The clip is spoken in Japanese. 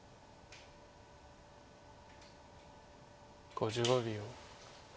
５５秒。